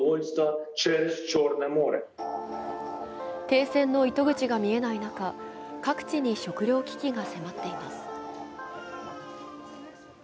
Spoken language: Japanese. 停戦の糸口が見えない中、各地に食糧危機が迫っています。